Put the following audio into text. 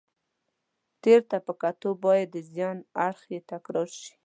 تېر ته په کتو باید د زیان اړخ یې تکرار شي.